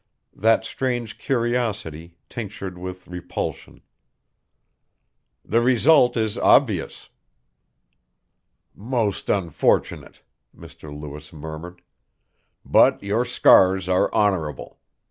That strange curiosity, tinctured with repulsion! "The result is obvious." "Most unfortunate," Mr. Lewis murmured. "But your scars are honorable.